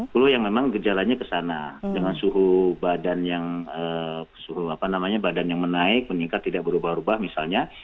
flu yang memang gejalanya kesana dengan suhu badan yang apa namanya badan yang menaik meningkat tidak berubah ubah misalnya